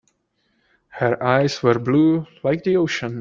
Her eyes were blue like the ocean.